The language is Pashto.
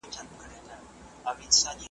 په پخوا کي یو ښکاري وو له ښکاریانو `